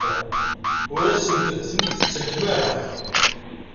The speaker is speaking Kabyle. Ur asent-ten-id-tettakem ara?